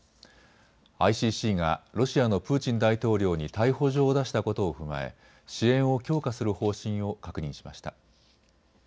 ＩＣＣがロシアのプーチン大統領に逮捕状を出したことを踏まえ支援を強化する方針を確認しました。